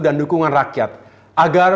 dan dukungan rakyat agar